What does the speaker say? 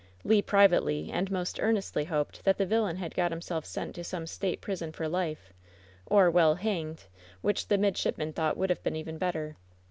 Le privately and most earnestly hoped that the villain had got himself sent to some State prison for life, or, well, hanged — ^which the midshipman thought would have been even better.